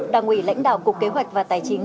đảng ủy lãnh đạo cục kế hoạch và tài chính